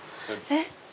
えっ？